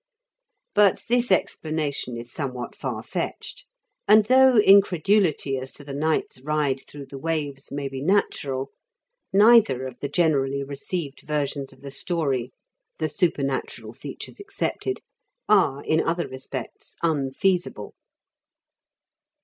But this explanation is somewhat far fetched; and, though incredulity as to the knight's ride through the waves may be natural, neither of the generally received versions of the story (the supernatural features excepted) are in other respects unfeasible.